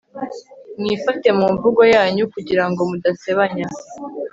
mwifate mu mvugo yanyu kugira ngo mudasebanya